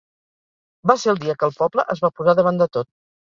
Va ser el dia que el poble es va posar davant de tot.